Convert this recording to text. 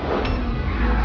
dan kegagalan dalam mati